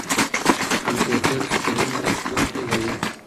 کمپيوټر سکرين لوستونکي لري.